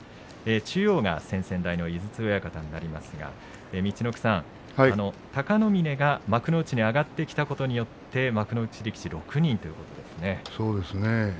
中央が先々代の井筒親方になりますが、陸奥さん、貴ノ嶺が幕内に上がってきたことによってそうですね。